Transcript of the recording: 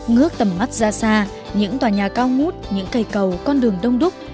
ngước tầm mắt ra xa những tòa nhà cao ngút những cây cầu con đường đông đúc